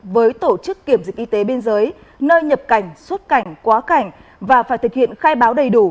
với tổ chức kiểm dịch y tế biên giới nơi nhập cảnh xuất cảnh quá cảnh và phải thực hiện khai báo đầy đủ